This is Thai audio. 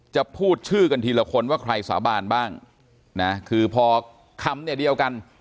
จะพูดชื่อกันทีละคนว่าใครสาบานบ้างนะคือพอคำเนี่ยเดียวกัน